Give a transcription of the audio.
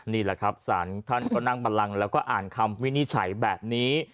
นี่แหละครับสารท่านก็นั่งบันลังแล้วก็อ่านคำวินิจฉัยแบบนี้